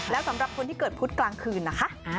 แล้วสำหรับคนที่เกิดพุธกลางคืนนะคะ